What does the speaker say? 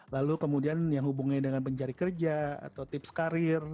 lalu kemudian yang hubungannya dengan pencari kerja atau tips karir